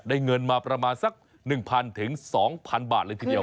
ได้เงินมาประมาณ๑๐๐๐๒๐๐๐บาททีเดียว